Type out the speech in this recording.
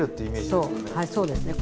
そうそうですね。